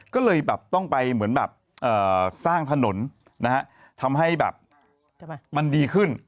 ก็เลยแบบต้องไปเหมือนแบบสร้างถนนนะฮะทำให้แบบมันดีขึ้น